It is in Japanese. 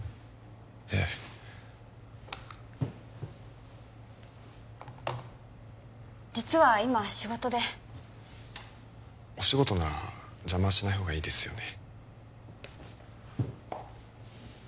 ええ実は今仕事でお仕事なら邪魔しないほうがいいですよね